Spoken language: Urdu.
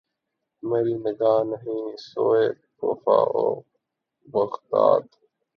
مری نگاہ نہیں سوئے کوفہ و بغداد